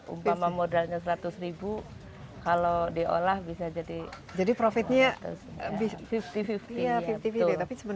umpama modalnya seratus ribu kalau diolah bisa jadi lima puluh lima puluh